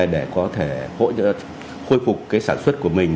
để có thể khôi phục sản xuất của mình